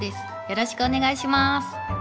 よろしくお願いします。